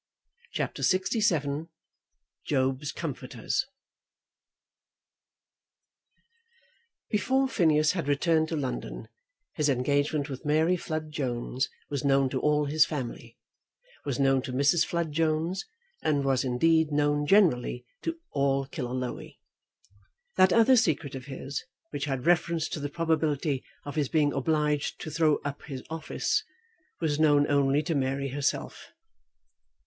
CHAPTER LXVII Job's Comforters Before Phineas had returned to London his engagement with Mary Flood Jones was known to all his family, was known to Mrs. Flood Jones, and was indeed known generally to all Killaloe. That other secret of his, which had reference to the probability of his being obliged to throw up his office, was known only to Mary herself.